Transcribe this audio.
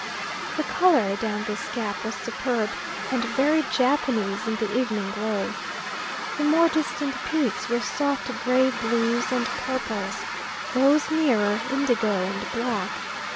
The colour down this gap was superb, and very Japanese in the evening glow. The more distant peaks were soft gray blues and purples, those nearer, indigo and black.